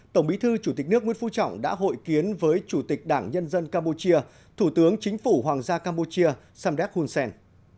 tổng bí thư chủ tịch nước nguyễn phú trọng đã hội kiến với chủ tịch đảng nhân dân campuchia thủ tướng chính phủ hoàng gia campuchia samret hunsen